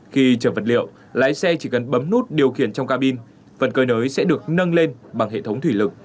khi chở vật liệu lái xe chỉ cần bấm nút điều khiển trong ca bin phần cơi nới sẽ được nâng lên bằng hệ thống thủy lực